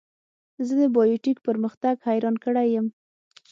زه د بایو ټیک پرمختګ حیران کړی یم.